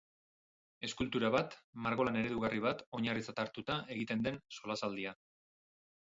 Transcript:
Eskultura bat, margolan eredugarri bat oinarritzat hartuta egiten den solasaldia.